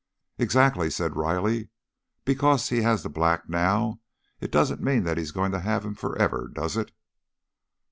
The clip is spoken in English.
"Exactly," said Riley. "Because he has the black now, it doesn't mean that he's going to have him forever, does it?"